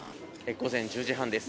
午前１０時半です。